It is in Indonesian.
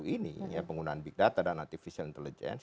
kedua teknologi terbaru ini penggunaan big data dan artificial intelligence